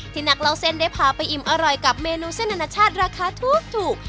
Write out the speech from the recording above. นักเล่าเส้นได้พาไปอิ่มอร่อยกับเมนูเส้นอนาชาติราคาถูก